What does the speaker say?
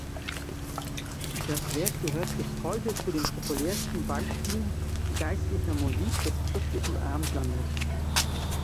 Das Werk gehört bis heute zu den populärsten Beispielen geistlicher Musik des christlichen Abendlandes.